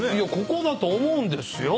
ここだと思うんですよ。